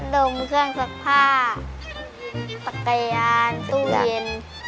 ลงเครื่องซักผ้าจักรยานตู้เย็น